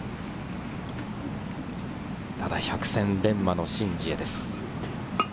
百戦錬磨のシン・ジエです。